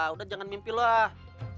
udah jangan mimpi lo hah